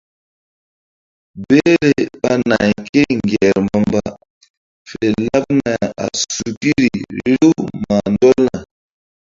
Behle ɓa nay ké ŋger mbamba fe laɓna a sukiri riw mah ndɔlna.